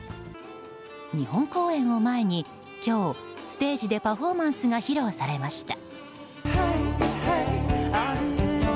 日本公演を前に今日、ステージでパフォーマンスが披露されました。